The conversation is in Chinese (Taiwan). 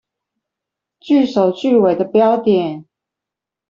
句首句尾的標點